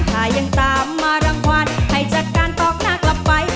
ถ้ายังตามมารางวัลให้จัดการตอกหน้ากลับไป